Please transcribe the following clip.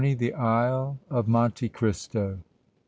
THE ISLE OF MONTE CRISTO.